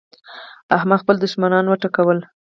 احمد خپل دوښمنان وټکول.